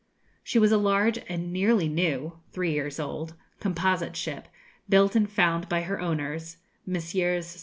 She was a large and nearly new (three years old) composite ship, built and found by her owners, Messrs.